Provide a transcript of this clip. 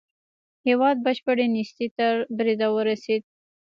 هېواد بشپړې نېستۍ تر بريده ورسېد.